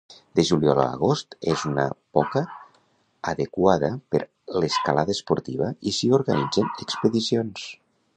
De juliol a agost és una poca adequada per l'escalada esportiva i s'hi organitzen expedicions.